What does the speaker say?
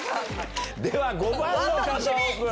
では５番の方オープン。